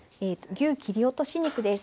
牛切り落とし肉です。